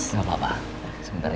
mas ya udah sitztang sini